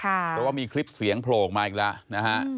เพราะว่ามีคลิปเสียงโผล่ออกมาอีกแล้วนะฮะ